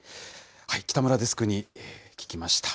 北村デスクに聞きました。